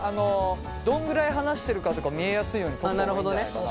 どんぐらい離してるかとか見えやすいように撮った方がいいんじゃないかな。